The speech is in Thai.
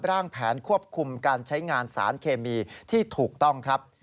ร่างแผนควบคุมการใช้งานสารเคมีที่ถูกต้องครับ